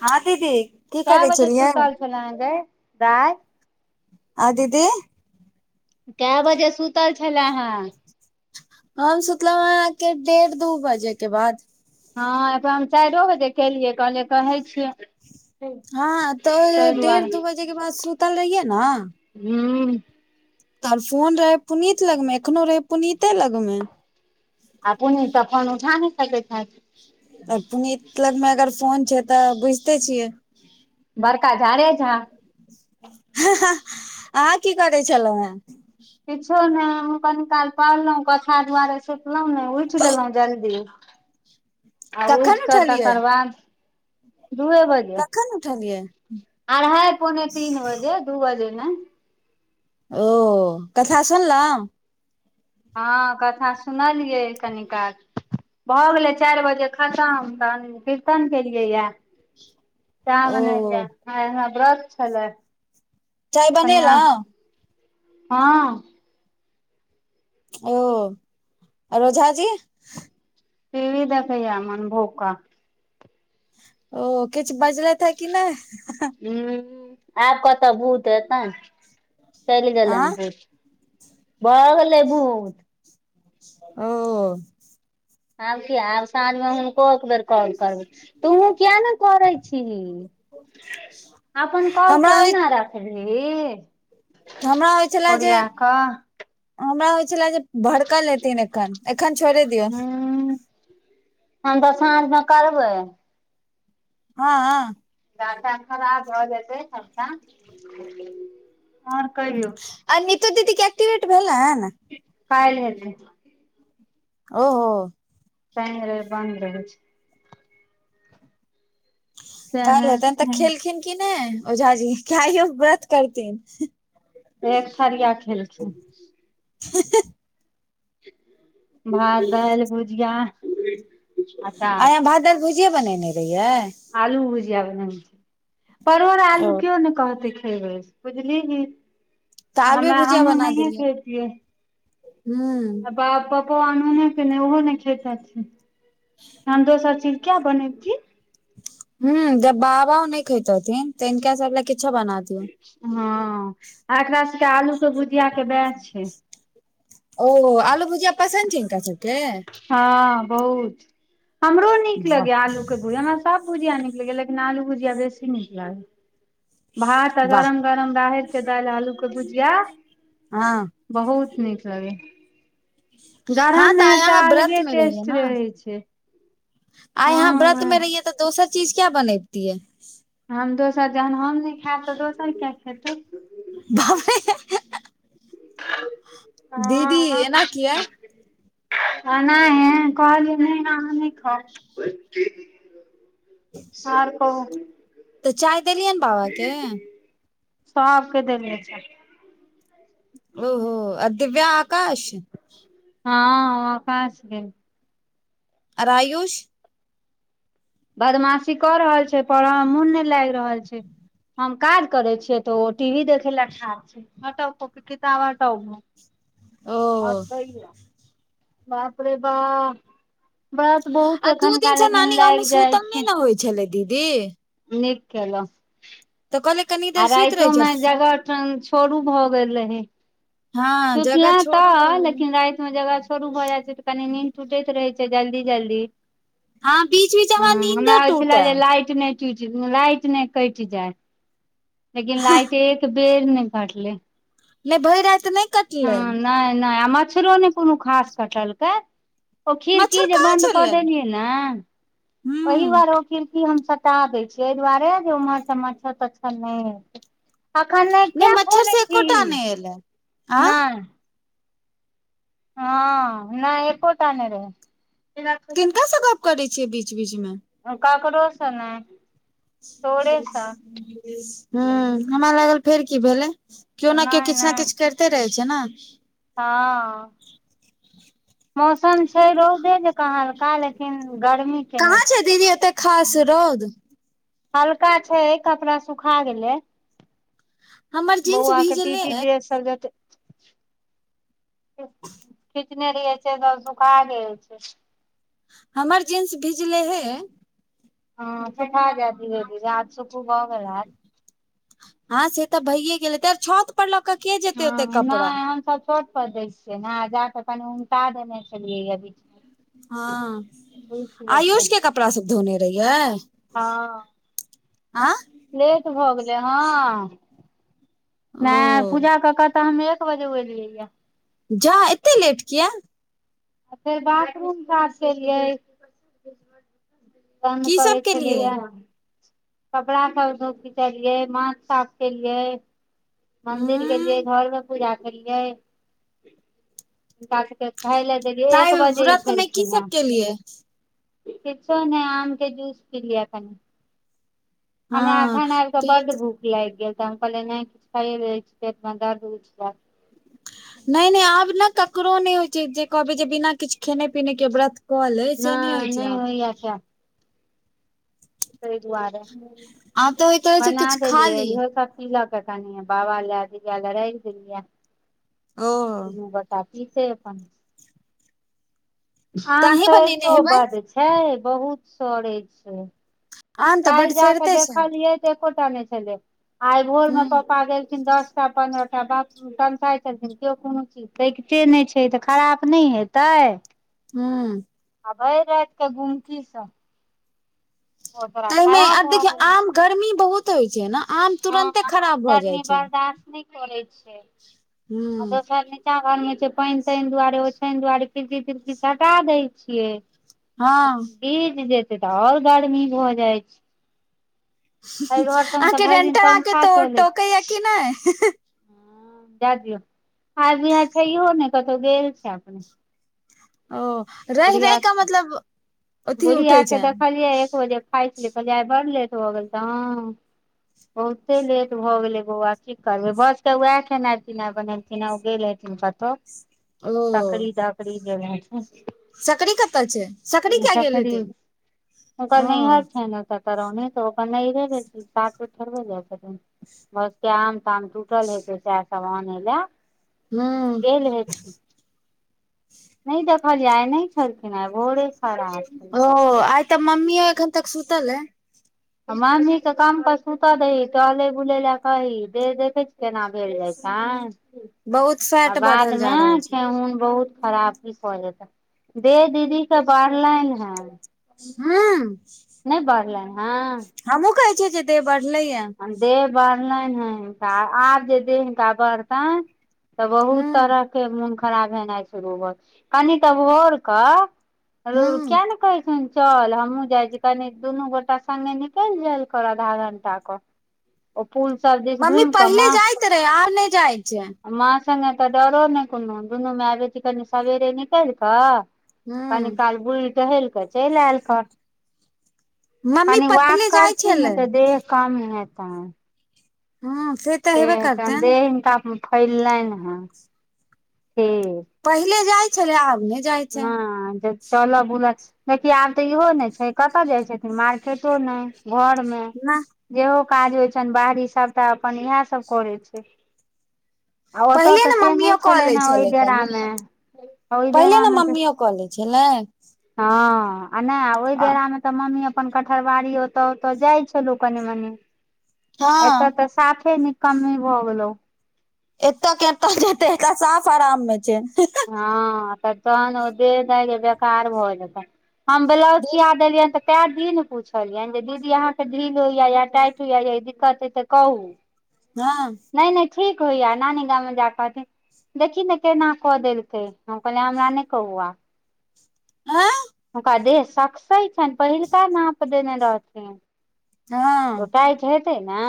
हँ दीदी की करै छलियै सुना आ दीदी काए बजे सुतल छलए हैं हम सुतलहुँ हके डेढ़ दू बजे के बाद हँ एकरा हम चारि बजे केलियै कहले कहै छियै हँ तऽ ताहि डेढ़ दू दुआरे बजे के बाद सुतल रहियै ने हूँ तर फोन रहे पुनीत लगमे एखनो रहे पुनीते लगमे आ पुने त फोन उठा नहि सकैत छथि आर पुनीत लग मे अगर फोन छै तऽ बुझते छियै बड़का झारे झा अहाँ की करै छलहु हेँ किछो नहि हम कनी काल पढ़लहुं कथा दुआरे सुतलहुं नहि उठि गेलहुँ जल्दी आ उठ कखन कऽ उठलियै तकर बाद दूए बजे कखन उठलियै अढ़ा पौने तीन बजे दू बजे ने ओ कथा सुनलो हँ कथा सुनलियै कनिकाल भऽ गेलै चारि बजे खतम तहन कीर्तन केलियै यए चाह ओ बनेलियै ह हमरा ब्रश छलै चाय कनिआँ बनेलहुँ हँ ओ रोजा जी पीवी द कहै य मन भोका ओ किछ बजलेत ह आब कतऽ भूत हेतै चलि आँ गेलनि बहुत भय गेले बहुत ओ आब की आब साँझ में हुनको एक बेर क करबै तऽ ओ किया ने करै छी अपन काँल हमरा के होइ ओहिना रखबिही हमरा होइ छले जे ओरिया कऽ हमरा होइ छले जे भड़कल लेथिन एखन एखन छोड़े दियोसँ ह हम तऽ साँझमे करबै हँ ह टा खराब भ जेतै सबटा ओर क आ तो दी की टिवेट भेल है कइ लै ओहो शनि रेव बन्द रहै छै कहल सएह हे तन त छै खेलखिन की नहि ओझाजी कहियो व्रत करथिन एक थरिया खेलखिन हाँ हाँ भात दालि भुजिया अचार आय भात दाल भुजिये बनेने रहियै आलू भुजिया बन छै परोड़ ओ आलू केओ ने कहतै खेबै बुझलिही तऽ आलुए हमरा हमहुँ नहिए खेतियै हूँ पपो आनने के ओहो ने खे धो सब चीज किया बनैबी ह जब बाबा नहि खेैतथिन तऽ इिनका सब ल किछो बना दियौ हँ एकरा सबके आलू के भुजिया के वएह छै ओ आलू भुजिया पसन्द छै इनका सबके हँ बहुत हमरो नीक वाह लगैया आलू के भूज हमरा सब भुजिया नीक लागै लेकिन आलू भुजिया बेसी नीक लागल भात वाह गरम गरम रहे छै दाल आलू के भुजिया हँ बहुत नीक लगे गरम हँ मे आइ तऽ अहाँ व्रत अलगे मे रहियै ने टेस्ट रहै छै आइ यहा व्रत हँ में रहि तऽ दोसर चीज क्या बनेती है हम दोसर जहन हम नहि खायब त दोसर किया खेतै बाय दीदी हँ एना किया नहि कहलिय नहि आं नहि खाउ आरप [unintelligible] तऽ चाय देलियै ने बाे सो आके देलने छै ओहो आ दिव्याकाश हँ अपना सके रायुष बदमाशी क रहल छै पढ़ाई में मोन नहि लाग रहल छै हम काज करे छियै त ओ टी वी देखे ले ठार छै हट को कितब हट ओ आओर कहि य बाप रे बा व्रत आ बहुत दू दिन एखिनका से लेकिन नानी गाम मे लाग जाइ सुतल नहि छै ने होइ छलै दीदी नीक केल त कनि कनि आ राइतो मे जगह छोड़ू भऽ गेल रहे हँ जगह सुतले त छोड़ू भऽ गेलै लेकिन रात में जगह शुरू भ जाइ छै त कनी नींद टूटै रहै छै जल्दी जल्दी हँ बीच बीच मे हमरा नीन्दो टुटे टुट लाइट नहि कटि जाय लेकिन लाइट एक बेर नहि घटले नहि भै रति तऽ नहि कटलै नहि नहि आ मच्छरो नहि कोनो खास कटलकै ओ खीर की मच्छर जे कहाँ बन्द कऽ छलै देलियै ने ओही हूँ बार ओ खिड़की हम सटा दै छियै एहि दुआरे जे मच्छर तच्छर नहि अखन नहि किया मच्छर खोले से छी एकोटा नहि एलै आ ने हँ नहि एकपो नहि केकरा से गप करे छियै बीच बीच में ओ ककड़ोस ने ह हमरा लागल फेर की भेलै केओ ने केओ नहि किछ ने किछ नहि करते रहै छै ने हँ मौसम छै रौदे जेका काल्हिखिन लेकिन गर्मी कहाँ छै दीदी ऐते खास रौद हल्का छै कपड़ा सुखा गेलेै हमर बहु जींस आके भीजले पीती अय ग सबजत खीचने रहिय छै तऽ सुखा गेल छै हमर जिन्स भीजले हे ह त देे आध सुखू भ गेल हायत हँ से त भइए गेल हेते छत ऊपर लक के जेतै हँ ओते कपड़ा नहि हमसब चोट पर दै छियै ने जाके कनि उनटा देने छलियै ह बीच में हँ जेतै आयुष के कपड़ा सब धोने रहियै हँ आँ लेट भ गेलै हँ ओ नहि पूजा कऽ कऽ तऽ हम एक बजे ओलियैए जा एते लेट किया अ फेर बाथरूम साफकेलियै तंग की सब करै केलियै छलैया कपड़ा सब खिचेलियै माथ साफ केलियै मन्दिर गेलियै हूं घरों पूजा केलियै हुनका सबके खाय ल ताइ एक बजे इ व्रत मे की खेलखिन है सब केलियै किछो ने आम के जूस पी लिय अखेन हमरा हँ आखन आब के बड तऽ भुख लागि गेल त हम कहले नहि किछ खा दै पेटमे द [unintelligible] नहि नहि आब ने ककरो नहि होइ छै जे कहबै जे बिना किछ खेने पिने के व्रत कॉल होइ छै नहि होइ छै आब तहि दुआरे आब तऽ होइत रहै छै बना किछु खा देलियै ली इहो सब इल क कानिय बाबा अले अे अलरा दनियै [unintelligible] ओ दुनू बच्चा पीतयै अपन तऽ आम अहीं बनेने शरतो हेबै बड छै बहुत सड़े छै आम तऽ काल्हि बड जा के सरिते छै देखलियै तऽ एकोटा नहि छलै आई भोर में हूं पापा गेलखिन दस टा पन्द्रह टा बाप नसाई छथिन केओ कोनो चीज किते नहि छै तऽ खराब नहि हेतै हूँ आभेर रात क गुमकी सब तइमे खराब आ भऽ देखियौ गेलै आम गर्मी बहुत होइ छै ने आम हँ तुरंते आम खराब भऽ गर्मी जाई छै बर्दाश्त नहि करै छै आ हूं दोसर चावल छै पइन तइन दुआरे ओछान दुआरे फिरकी तिरकी सटा दैय छियै हँ पीज जेते त ओर गर्मी भ जाय छै एहि घर सबमे त अहाँके भरि दिन पंखा चलै छै ह जा दियौ आर यहाँ छै ने कतहु गेल छै अपने ओ रहि रहि बुढ़िया कऽ मतलब अथी उठै बुढ़िया के छै देखलियै एक बजे खाई छलियै कहली आई बर ल तऽ भगैल तऽ बहुते लेट भऽ गेलै बौआ की करबै बस के उएह खेनाइ पीनाइ बनेलथि ओ गेल एथिन कतहु [inaudible] सकरी दकरी देनेह छ सकरी कतऽ छै सकरी किया गेल फ हेतै ओकर ओ नहियर छै ने त [unintelligible] तरनी तऽ ओ साथमे ठरबो जाइ छथि बस [unintelligible] क आम ताम टूटल है सेसव आने लए हूँ गेल हेथिन नहि देखलियै आय नहि छलखिन भोरे खरा [unintelligible] ओ आत ता मम्मीयो अखेनतक सुतल है मामी के काम पर सुतऽ दही टहले बुले लए कही दे देखे छी केना भेल जाई बहुत फैट बाद बढ़ल जा मे रहल छै ठेहुन बहुत खराब भजेतै देह दीदी के बढ़लनि है हूँ नहि बढ़लनि हँ हमूँ कहै छै जे देह बढ़ले ये देह बढ़लनि हे हिनका आब जे देह हिनका बढ़तनि तऽ बहुत हूं तरहके मोन खराब हेनाई छै गोबर कनि तऽ भोर कऽ हूं रुक नहि कहैन छैन [unintelligible] चल हमूँ जाई छी कनी दुनू गोटा सगे निकल जाल कर आधा घंटा क ओ पुल सब जेस मम्मी घुम के म पहिले जाइत रहे आब नहि जाइ छै म उठे मे डरो नहि कोनो दुनू माय बेटी कनि सवेरे निकल क कनी हूं काल बुल टहेल कऽ चलि आयलकर मम्मी कनि वाक पहिले जाइ करथिन ने छलै त देह कम हेतै हँ से तऽ से हेबे कनि करतैन देह हिनका फैललनि हँ देह पहिले जाई छलै आब ने ने जे चलऽ बुलल देखिय आब तऽ इहो ने छै कतऽ जाय छथिन मार्केटो नहि घर मे ना जेहो काज होइ छनि बाहरी सभटा अपन इएह सब करै छै आ ओतय पहिले तऽ ने से मम्मी नहि कऽ लै छलनि हे ओहि छलै कनि डेरामे ओहि पहिले ने डेरामे तऽ मम्मी कऽ ले छल ने हँ आ नहि ओहि बेरामे मम्मी अपन कठरवारी ओतऽ ओतऽ जाई छलो कनि मनी एत हँ तऽ साफे न कम्मे भऽ गेलौ एतऽ केतऽते एकरा साफ आराम मे छै हँऽ तन ओ दे नहि बेकार भऽ जा हम ब्लाउज दीदी सिया देलियन त काए दिन पुछलियै जे दीदी अहाँ के ढ़िल होइया या टाइट होइया या ई दिक्कत हे त कहूँ [inaudible] हँ नहि नहि ठीक होइ या नानी गाँव मे जा कहथिन देखी ने केना कऽ देलकै हम कहलियै हमरा नहि कहुँ आब हँ हुनका देह सक्से छनि पहिलका नाप देने रहथिन हँ तो टाइ हेतै न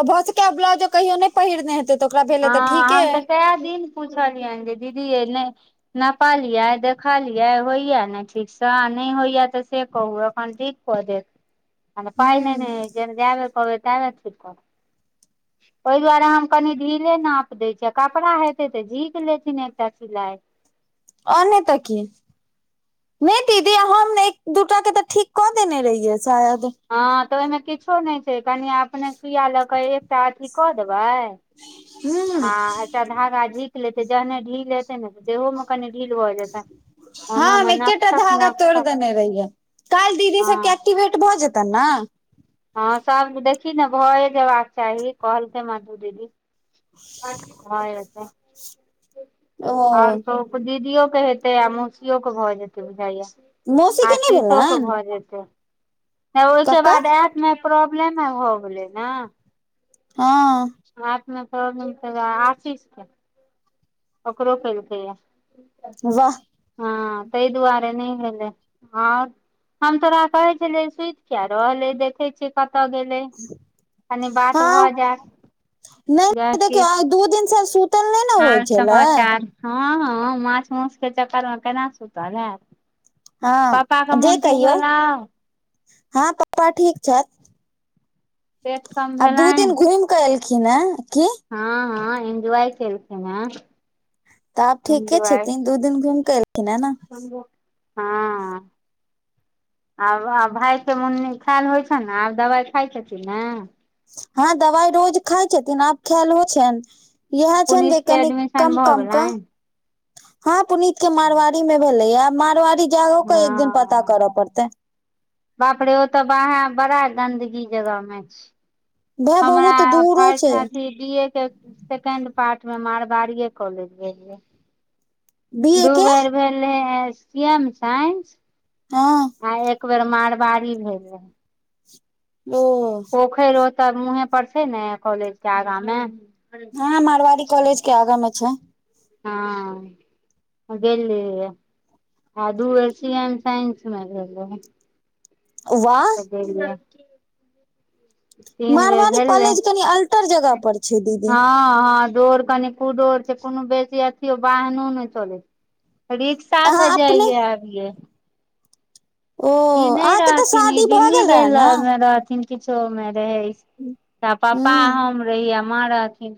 आ भसका ब्लाउजो कहियो नहि पहिरने हेतै तऽ ओकरा भेलै हँ तऽ ठीके हम अइ त काए दिन पुछलियनि जे दीदी ये नइ नपालियै देखलियै होइया न ठीकसँ आ नहि होइ यऽ तऽ से कहू ठीक कऽ देथ हूं पाई लेने ये आ अहि ने जाबेर कहबै तेबेर ठीक कर ओहि दुआरे हम कनि ढीले नाप दै छियै कपड़ा हेतै तऽ झीक लेथिन एकटा सिलाइ और नय तऽ की नहि दीदी हम एक दूटा के तऽ ठीक कऽ देने रहियै शायद हँ तऽ ओहिमे किछो नहि छै कनि अपने सुइया लऽ क एकटा अथी कऽ देबै हँ ह एक टा धागा झीक लेतै जहने ढील हेतै न तऽ देहो म कनि ढील भऽ जेतै हँ हम ओनामे एके टा नकसक धागा तोड़ नकसक देने रहियै काइल दीदी सबके हँ एक्टिवेट भऽ जेतनि न हँ सब देखी न भए जबाक चाही कहलकै मधु दीदी भऽ जेतै ओ आओर कहू दीदियो के हेतै आ मौसियो कऽ भऽ जेतै बुझाइ मौसी य के नहि आशीसो कऽ भेलनि भऽ जेतै त ओहिके ककर बाद एप मे प्रॉब्लम ने हो गेलै न हँ आंतमे प्रोब्लम छलै आशीषके ओकरो केलकै य वाह हँ तऽ इ दुआरें नऽ भेलेय और हम तोरा कहे छले सुति किया रहलै देखे छीयै कतऽ गेल कनी बात भऽ हँ जायत जे नहि देखियौ आइ किछु दू दिन सँ सुतल नई न हाल समाचार हँ हँ माछ माउस के चक्करमे केना सुतल हैत हँ पापा के जे मोन ठीक कहियौ भेलौ हँ पपा ठीक छथि पेट कम आब दू भेलनि दिन घुमि कयलखिन हन की हँ हँ एन्जॉय केलखिन हे तऽ आब ठीके छथिन दू दिन घुम कऽ एलखिन ह ने हँ आब भाय के मुन नीक खायल होइ छ ने आब दबाइ खाइ छथिन ने हँ दवाइ रोज खाइ छथिन आब ख्याल हो छैन यहे छैन जे पुनीत के लकनि एडमिशन कम भऽ कम क गेलनि हँ पुनीत के मारवाड़ी मे भेलै यह मारवाड़ी जाओ कऽ एक दिन पता हँ करऽ पड़तै बाप रे ओ तऽ वहा बड़ा गन्दगी जगह मे छै भाय हमरा बहुत दूरो छै फस्ट अथि बी ए के सेकेंड पार्ट मे मारबाड़ीे कॉलेज गेलिये बी ए दू के बेर भेले सी एम साइंस हँ आ एक एक बेर मारबाड़ी भेल रहै ओ पोखैर ओतऽ मुहे पर छै न कॉलेज के आगा मे हँ मारवाड़ी कॉलेज के आगाँ मे छै हँ गेलये आ दू सी एम सइन्स मे भेले वाह त गेलियै तीन बेर मारवाड़ी भेलै कॉलेज कनि अल्टर जगह हँ पर छै दीदी हँ डोर कनिकु ोर छै कोनो बेसी अथो बाहनो नहि चले छै रिक्शा स अहाँ अपने जाईए आबिये ओ ई नहि अहाँके तऽ रहथिन शादी ई भऽ दिल्ली रहे गेल ने रहथिन किछो मे रहै त पापा हूँ हम रहहि आ माँ रहथिन